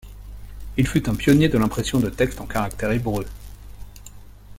Il fut un pionnier de l'impression de textes en caractères hébreux.